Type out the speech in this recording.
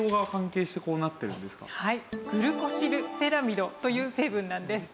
グルコシルセラミドという成分なんです。